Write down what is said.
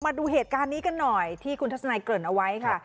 มาดูเหตุการณ์นี้กันหน่อยที่คุณทัศนัยเกริ่นเอาไว้ค่ะ